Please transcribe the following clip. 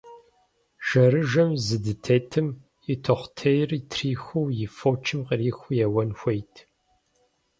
Жэрыжэм зыдытетым, и тохъутейр трихыу, и фочыр къырихыу еуэн хуейт.